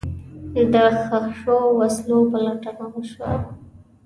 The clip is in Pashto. د ښخ شوو وسلو پلټنه وشوه.